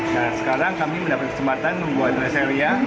nah sekarang kami mendapat kesempatan membuat res area